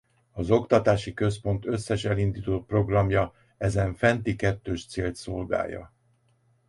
Az oktatási központ összes elindított programja ezen fenti kettős célt szolgálja.